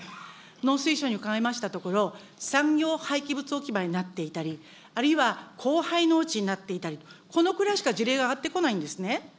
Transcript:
農水省に伺いましたところ、産業廃棄物置き場になっていたり、あるいは荒廃農地になっていたり、このくらいしか事例があがってこないんですね。